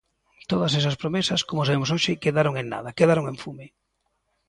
Todas esas promesas, como sabemos hoxe, quedaron en nada, quedaron en fume.